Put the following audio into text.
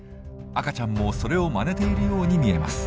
赤ちゃんもそれをまねているように見えます。